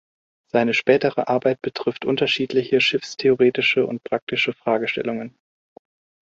Seine spätere Arbeit betrifft unterschiedliche schiffstheoretische und praktische Fragestellungen.